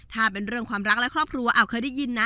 ถ้าเป็นเรื่องความรักและครอบครัวเคยได้ยินนะ